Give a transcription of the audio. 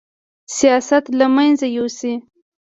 سیاست له منځه یوسي